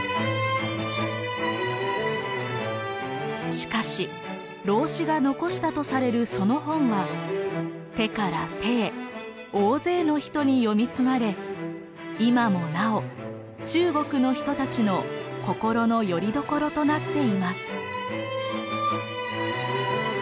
しかし老子が残したとされるその本は手から手へ大勢の人に読み継がれ今もなお中国の人たちの心のよりどころとなっています。